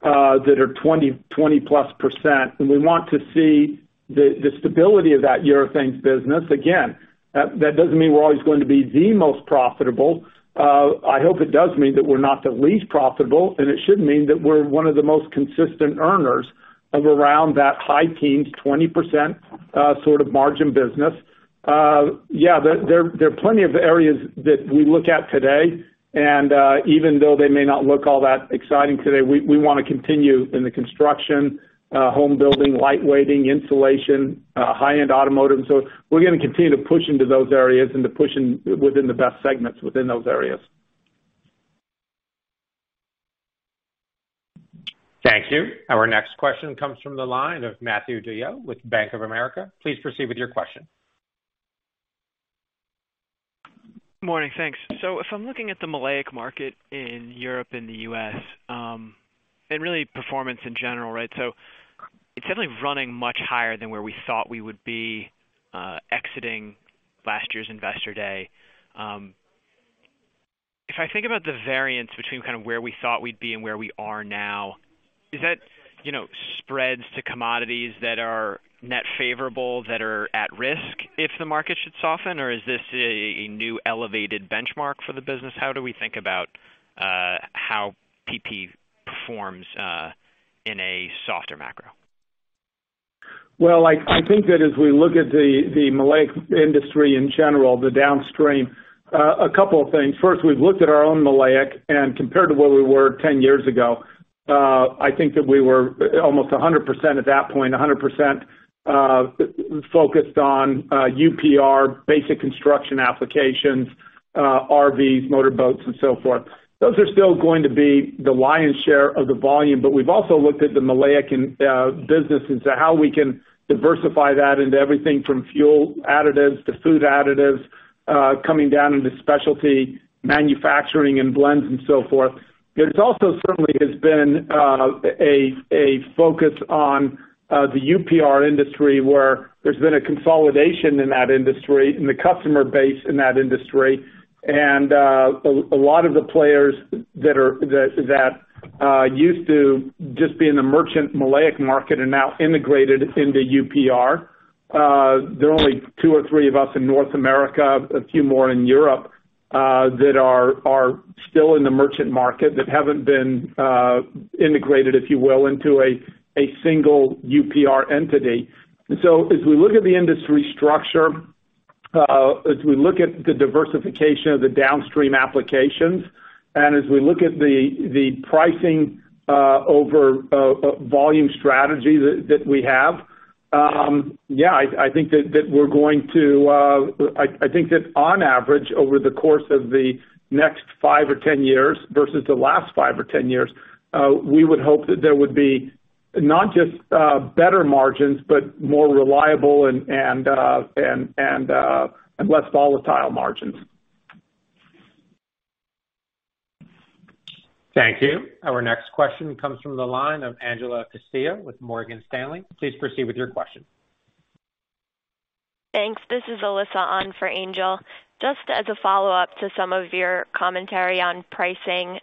that are 20%+, and we want to see the stability of that urethanes business, again, that doesn't mean we're always going to be the most profitable. I hope it does mean that we're not the least profitable, and it should mean that we're one of the most consistent earners of around that high teens, 20% sort of margin business. Yeah, there are plenty of areas that we look at today, and even though they may not look all that exciting today, we wanna continue in the construction, home building, lightweighting, insulation, high-end automotive. We're gonna continue to push into those areas and to push in within the best segments within those areas. Thank you. Our next question comes from the line of Matthew DeYoe with Bank of America. Please proceed with your question. Morning. Thanks. If I'm looking at the Maleic Anhydride market in Europe and the U.S., and really performance in general, right? It's definitely running much higher than where we thought we would be exiting last year's Investor Day. If I think about the variance between kind of where we thought we'd be and where we are now, is that, you know, spreads to commodities that are net favorable, that are at risk if the market should soften? Or is this a new elevated benchmark for the business? How do we think about how PP performs in a softer macro? Well, I think that as we look at the Maleic Anhydride industry in general, the downstream, a couple of things. First, we've looked at our own Maleic Anhydride and compared to where we were 10 years ago. I think that we were almost 100% at that point, 100% focused on UPR, basic construction applications, RVs, motorboats and so forth. Those are still going to be the lion's share of the volume. But we've also looked at the Maleic Anhydride and business into how we can diversify that into everything from fuel additives to food additives, coming down into specialty manufacturing and blends and so forth. There has also certainly been a focus on the UPR industry, where there's been a consolidation in that industry and the customer base in that industry. A lot of the players that used to just be in the merchant Maleic Anhydride market are now integrated into UPR. There are only two or three of us in North America, a few more in Europe, that are still in the merchant market, that haven't been integrated, if you will, into a single UPR entity. As we look at the industry structure, the diversification of the downstream applications, and the pricing over volume strategy that we have, I think that on average, over the course of the next five or 10 years versus the last five or 10 years, we would hope that there would be not just better margins, but more reliable and less volatile margins. Thank you. Our next question comes from the line of Angel Castillo with Morgan Stanley. Please proceed with your question. Thanks. This is Alyssa on for Angel. Just as a follow-up to some of your commentary on pricing,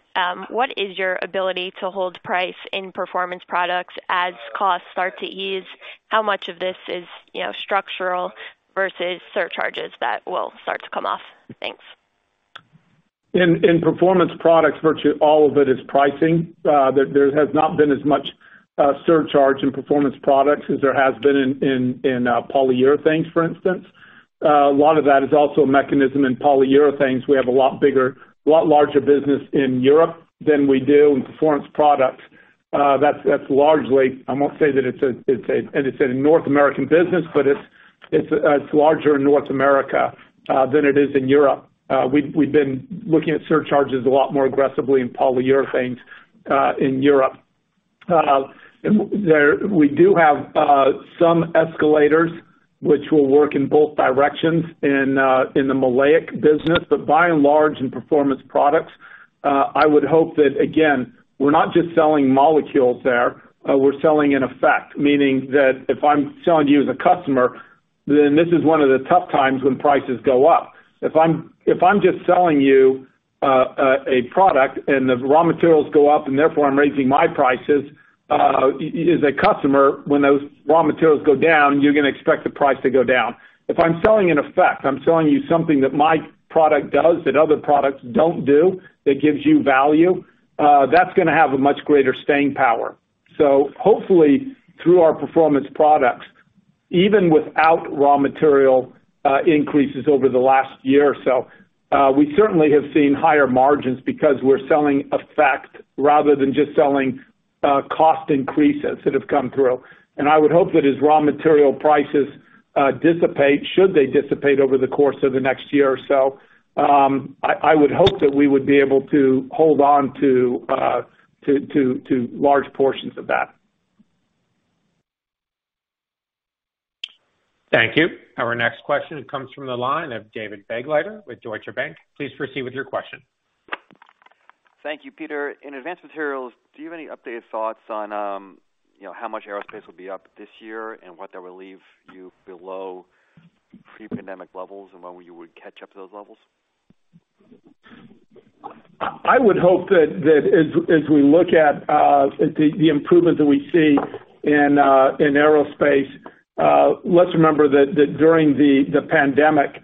what is your ability to hold price in Performance Products as costs start to ease? How much of this is, you know, structural versus surcharges that will start to come off? Thanks. In Performance Products, virtually all of it is pricing. There has not been as much surcharge in Performance Products as there has been in Polyurethanes, for instance. A lot of that is also a mechanism in Polyurethanes. We have a lot larger business in Europe than we do in Performance Products. That's largely a North American business, but it's larger in North America than it is in Europe. We've been looking at surcharges a lot more aggressively in Polyurethanes in Europe. There we do have some escalators which will work in both directions in the Maleic Anhydride business. By and large, in Performance Products, I would hope that again, we're not just selling molecules there, we're selling an effect. Meaning that if I'm selling to you as a customer, then this is one of the tough times when prices go up. If I'm just selling you a product and the raw materials go up, and therefore I'm raising my prices, as a customer, when those raw materials go down, you're gonna expect the price to go down. If I'm selling an effect, I'm selling you something that my product does that other products don't do, that gives you value, that's gonna have a much greater staying power. Hopefully, through our Performance Products, even without raw material increases over the last year or so, we certainly have seen higher margins because we're selling effect rather than just selling cost increases that have come through. I would hope that as raw material prices dissipate, should they dissipate over the course of the next year or so, I would hope that we would be able to hold on to large portions of that. Thank you. Our next question comes from the line of David Begleiter with Deutsche Bank. Please proceed with your question. Thank you, Peter. In Advanced Materials, do you have any updated thoughts on how much aerospace will be up this year and what that will leave you below pre-pandemic levels and when you would catch up to those levels? I would hope that as we look at the improvement that we see in aerospace, let's remember that during the pandemic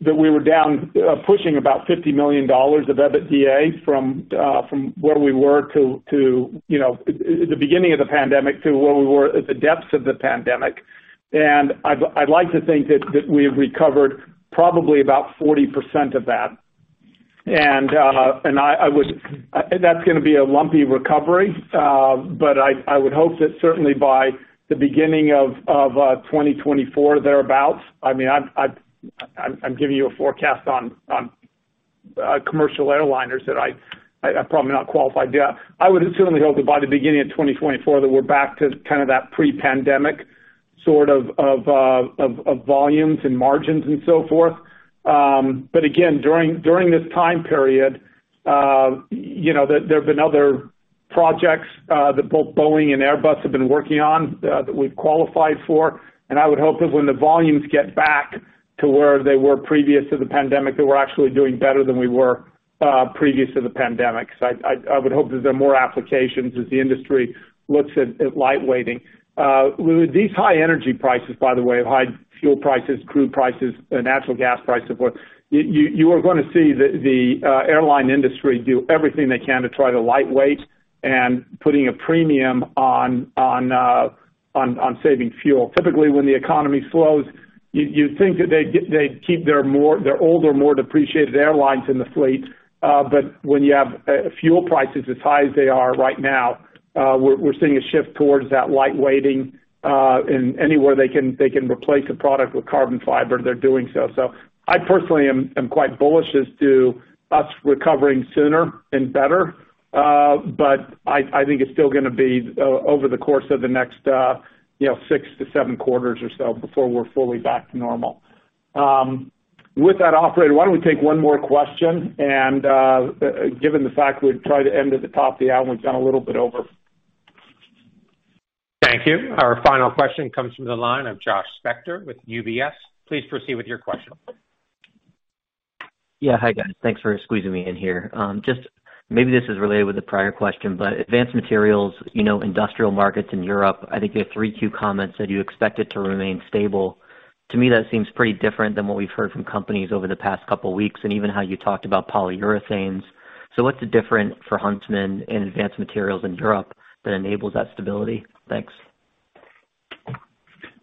we were down by about $50 million of EBITDA from where we were to, you know, at the beginning of the pandemic to where we were at the depths of the pandemic. I'd like to think that we have recovered probably about 40% of that. That's gonna be a lumpy recovery. I would hope that certainly by the beginning of 2024 thereabout, I mean, I'm giving you a forecast on commercial airliners that I'm probably not qualified. Yeah, I would certainly hope that by the beginning of 2024, that we're back to kind of that pre-pandemic sort of volumes and margins and so forth. Again, during this time period, you know, there have been other projects that both Boeing and Airbus have been working on that we've qualified for. I would hope that when the volumes get back to where they were previous to the pandemic, they were actually doing better than we were previous to the pandemic. I would hope that there are more applications as the industry looks at lightweighting. With these high energy prices, by the way, high fuel prices, crude prices, and natural gas prices, you are gonna see the airline industry do everything they can to try to lightweighting and putting a premium on saving fuel. Typically, when the economy slows, you'd think that they'd keep their older, more depreciated airplanes in the fleet. But when you have fuel prices as high as they are right now, we're seeing a shift towards that lightweighting. Anywhere they can replace a product with carbon fiber, they're doing so. I personally am quite bullish as to us recovering sooner and better. I think it's still gonna be over the course of the next, you know, 6-7 quarters or so before we're fully back to normal. With that, operator, why don't we take one more question and given the fact we'd try to end at the top of the hour, we've gone a little bit over. Thank you. Our final question comes from the line of Josh Spector with UBS. Please proceed with your question. Yeah. Hi, guys. Thanks for squeezing me in here. Just maybe this is related with the prior question, but Advanced Materials, you know, industrial markets in Europe, I think your three key comments that you expect it to remain stable. To me, that seems pretty different than what we've heard from companies over the past couple weeks, and even how you talked about Polyurethanes. What's different for Huntsman and Advanced Materials in Europe that enables that stability? Thanks.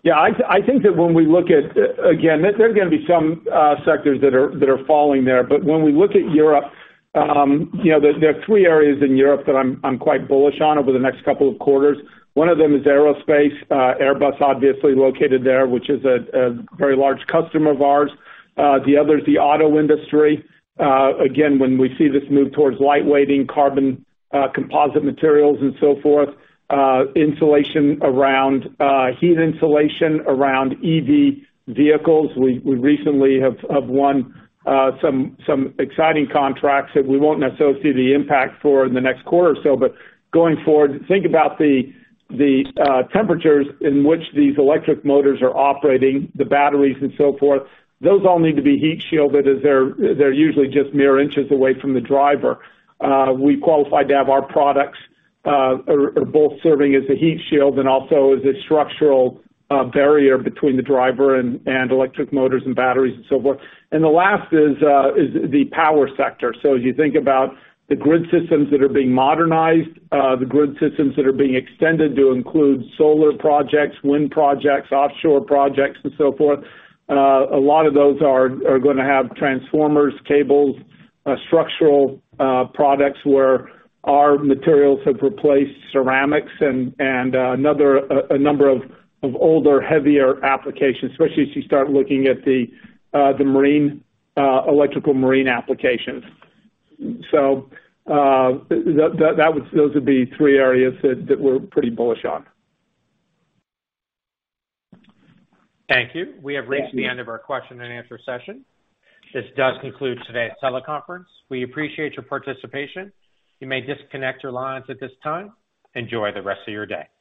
I think that when we look at, again, there's gonna be some sectors that are falling there. When we look at Europe, you know, there are three areas in Europe that I'm quite bullish on over the next couple of quarters. One of them is aerospace. Airbus obviously located there, which is a very large customer of ours. The other is the auto industry. Again, when we see this move towards lightweighting, carbon composite materials and so forth, heat insulation around EV vehicles. We recently have won some exciting contracts that we won't necessarily see the impact for in the next quarter or so. Going forward, think about the temperatures in which these electric motors are operating, the batteries and so forth. Those all need to be heat shielded as they're usually just mere inches away from the driver. Our products are both serving as a heat shield and also as a structural barrier between the driver and electric motors and batteries and so forth. The last is the power sector. As you think about the grid systems that are being modernized, the grid systems that are being extended to include solar projects, wind projects, offshore projects, and so forth, a lot of those are gonna have transformers, cables, structural products where our materials have replaced ceramics and a number of older, heavier applications, especially as you start looking at the marine electrical applications. Those would be three areas that we're pretty bullish on. Thank you. We have reached the end of our question and answer session. This does conclude today's teleconference. We appreciate your participation. You may disconnect your lines at this time. Enjoy the rest of your day.